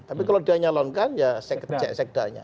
tapi kalau dia nyalonkan ya cek sekdanya